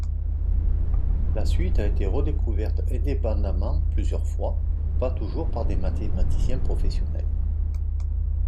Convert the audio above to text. La suite a été redécouverte indépendamment plusieurs fois, pas toujours par des mathématiciens professionnels.